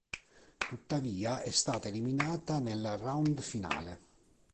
Tuttavia, è stata eliminata nel round finale.